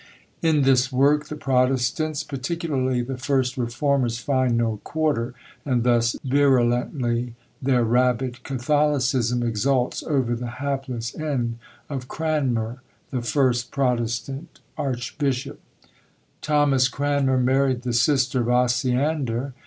In this work the Protestants, particularly the first Reformers, find no quarter; and thus virulently their rabid catholicism exults over the hapless end of Cranmer, the first Protestant archbishop: "Thomas Cranmer married the sister of Osiander.